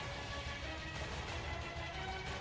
helikopter yang akan memperkuat tni angkatan dorot